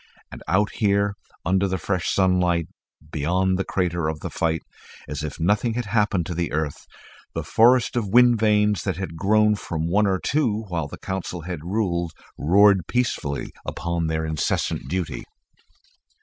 And out here, under the fresh sunlight, beyond the crater of the fight, as if nothing had happened to the earth, the forest of wind vanes that had grown from one or two while the Council had ruled, roared peacefully upon their incessant duty.